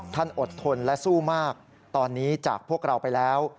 อดทนและสู้มากตอนนี้จากพวกเราไปแล้ว